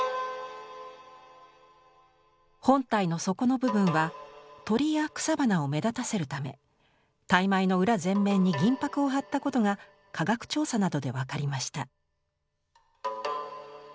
本体の底の部分は鳥や草花を目立たせるため玳瑁の裏全面に銀ぱくを貼ったことが科学調査などで分かりました。